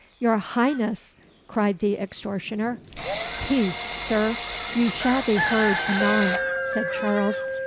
"Your Highness!" cried the extortioner. "Peace, Sir! you shall be heard anon," said Charles.